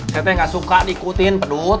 saya nggak suka diikutin pedut